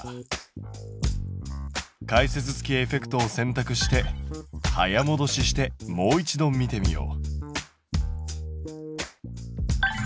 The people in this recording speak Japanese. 解説付きエフェクトを選択して早もどししてもう一度見てみよう。